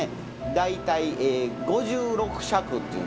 大体５６尺っていうんですね。